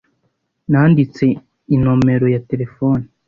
Nanditse inomero ya terefone.